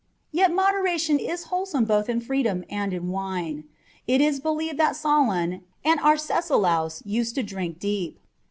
Yet moderation is wholesome both in freedom and in wine. It is believed that Solon and Arcesilaus used to drink deep.